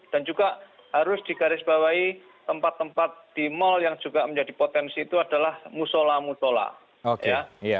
dan juga harus digarisbawahi tempat tempat di mal yang juga menjadi potensi itu adalah musola musola